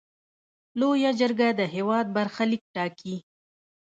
لویه جرګه د هیواد برخلیک ټاکي.